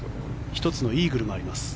１つのイーグルもあります。